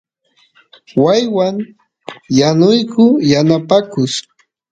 waaywan yanuyku yanapakus